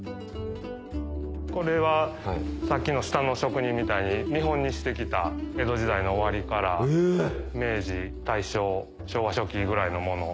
これはさっきの下の職人みたいに見本にしてきた江戸時代の終わりから明治大正昭和初期ぐらいのもの。